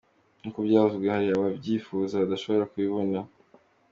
Nkuko byavuzwe, hari ababyifuza badashobora kubibona.